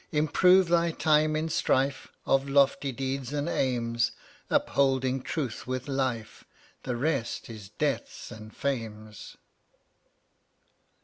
Improve thy time in strife Of lofty deeds and aims, Upholding Truth with life — The rest is Death's and Fame's.